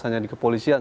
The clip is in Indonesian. hanya di kepolisian